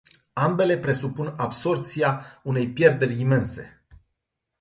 Ambele presupun absorbția unei pierderi imense.